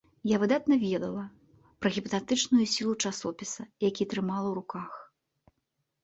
Я выдатна ведала пра гіпнатычную сілу часопіса, які трымала ў руках.